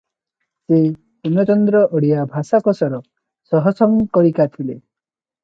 ସେ ପୂର୍ଣ୍ଣଚନ୍ଦ୍ର ଓଡ଼ିଆ ଭାଷାକୋଷର ସହସଂକଳିକା ଥିଲେ ।